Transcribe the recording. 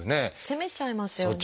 責めちゃいますよね。